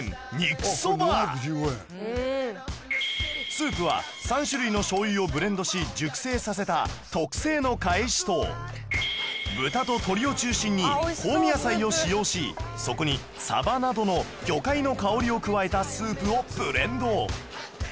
スープは３種類の醤油をブレンドし熟成させた特製のかえしと豚と鶏を中心に香味野菜を使用しそこにサバなどの魚介の香りを加えたスープをブレンド